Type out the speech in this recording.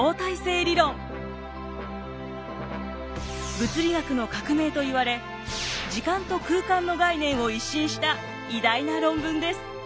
物理学の革命といわれ時間と空間の概念を一新した偉大な論文です。